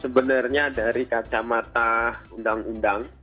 sebenarnya dari kacamata undang undang